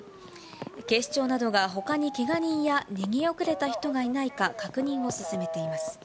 警視庁などが、ほかにけが人や逃げ遅れた人がいないか確認を進めています。